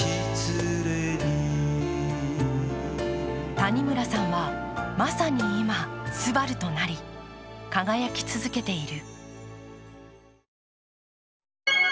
谷村さんはまさに今、「昴−すばる−」となり、輝き続けている。